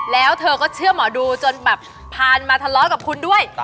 แล้วเธอก็เชื่อหมอดูจนแบบผ่านมาทะเลาะกับคุณด้วย